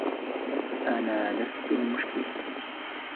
أنا لست المشكلة.